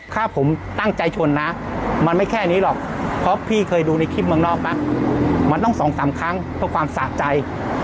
ถ้าผมตั้งใจชนนะมันไม่แค่นี้หรอกเพราะพี่เคยดูในคลิปเมืองนอกนะมันต้องสองสามครั้งเพื่อความสะใจ